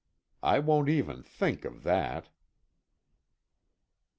I won't even think of that.